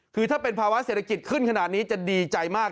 คือถ้าเป็นภาวะเศรษฐกิจขึ้นขนาดนี้จะดีใจมาก